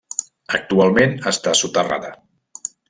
Actualment està soterrada.